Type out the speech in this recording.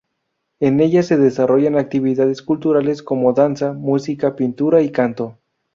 En ella se desarrollan actividades culturales como danza, música, pintura y canto.